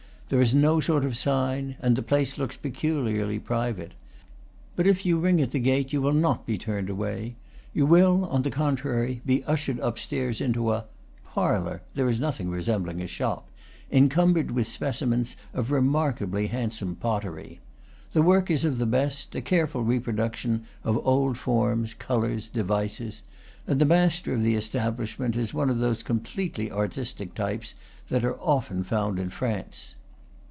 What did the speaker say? There is no sort of sign, and the place looks peculiarly private. But if you ring at the gate, you will not be turned away. You will, on the contrary, be ushered upstairs into a parlor there is nothing resembling a shop encum bered with specimens of remarkably handsome pottery. The work is of the best, a careful reproduction of old forms, colors, devices; and the master of the establishment is one of those completely artistic types that are often found in France.